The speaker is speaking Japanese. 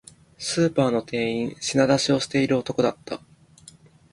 スーパーの店員、品出しをしている男だった